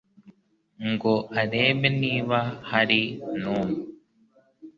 ngo arebe niba hari n’umwe